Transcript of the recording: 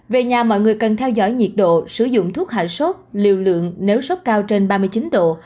về nhà mọi người cần theo dõi nhiệt độ sử dụng thuốc hạ sốt liều lượng nếu sốc cao trên ba mươi chín độ